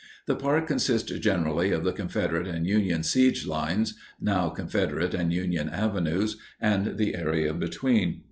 The park consists generally of the Confederate and Union siege lines, now Confederate and Union Avenues, and the area between.